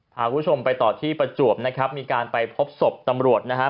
พาคุณผู้ชมไปต่อที่ประจวบนะครับมีการไปพบศพตำรวจนะฮะ